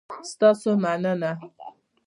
ستاسو مننه؟